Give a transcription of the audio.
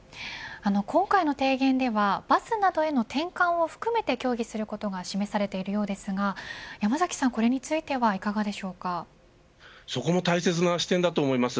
今回の提言ではバスなどへの転換を含めて協議することが示されているようですが山崎さん、これについてはそこも大切な視点だと思います。